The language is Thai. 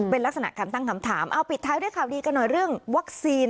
เป็นลักษณะการตั้งคำถามเอาปิดท้ายด้วยข่าวดีกันหน่อยเรื่องวัคซีน